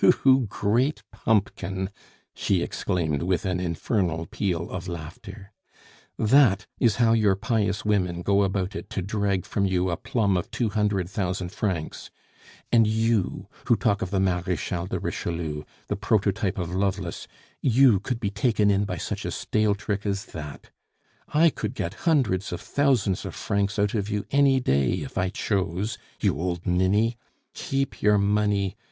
"You great pumpkin!" she exclaimed, with an infernal peal of laughter. "That is how your pious women go about it to drag from you a plum of two hundred thousand francs. And you, who talk of the Marechal de Richelieu, the prototype of Lovelace, you could be taken in by such a stale trick as that! I could get hundreds of thousands of francs out of you any day, if I chose, you old ninny! Keep your money!